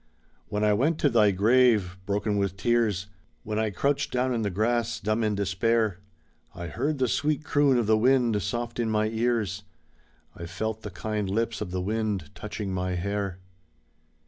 When I went to thy grave, broken with tears, When I crouched down in the grass, dumb in despair, I heard the sweet croon of the wind soft in my ears, I felt the kind lips of the wind touching my hair.